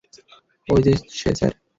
ওইযে সে, স্যার!